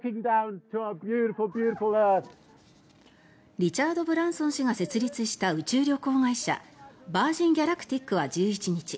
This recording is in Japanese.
リチャード・ブランソン氏が設立した宇宙旅行会社ヴァージン・ギャラクティックは１１日